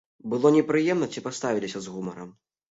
Было непрыемна ці паставіліся з гумарам?